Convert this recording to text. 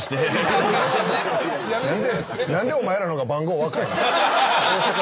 何でお前らの方が番号若いねん？